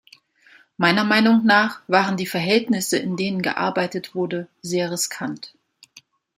Meiner Meinung nach waren die Verhältnisse, in denen gearbeitet wurde, sehr riskant.